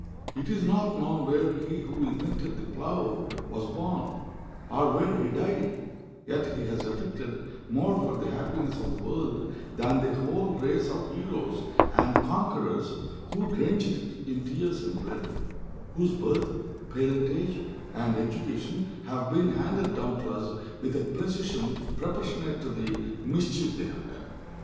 It is not known where he who invented the plow was born, or where he died; yet he has effected more for the happiness of the world than the whole race of heroes and conquerors who drenched it in tears and blood, whose birth, parentage, and education have been handed down to us with a precision proportionate to the mischief they have done.